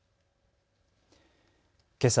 けさ